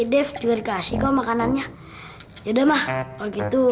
dev juga kasih kau makanannya yaudah mah begitu